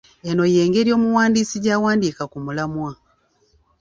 Eno y’engeri omuwandiisi gy’awandiika ku mulamwa.